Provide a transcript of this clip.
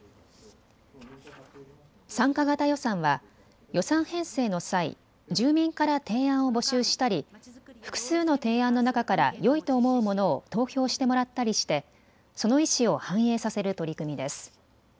参加型予算は予算編成の際、住民から提案を募集したり複数の提案の中からよいと思うものを投票してもらったりしてその意思を反映させる取り組みです。